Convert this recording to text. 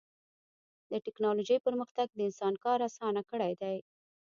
د ټکنالوجۍ پرمختګ د انسان کار اسان کړی دی.